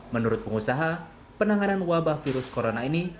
menurut pengusaha penanganan wabah virus corona ini